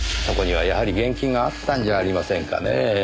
そこにはやはり現金があったんじゃありませんかねえ。